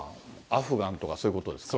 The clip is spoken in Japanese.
アフガンとか、そういうことですか。